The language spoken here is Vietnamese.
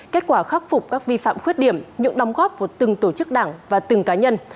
kết quả khắc phục các vi phạm khuyết điểm những đồng góp của từng tổ chức đảng và từng cá nhân